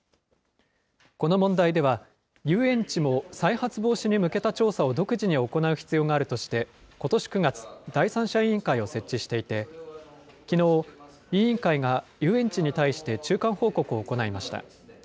この問題では、遊園地も再発防止に向けた調査を独自に行う必要があるとして、ことし９月、第三者委員会を設置していて、きのう、委員会が遊園地に対して中間報告を行いました。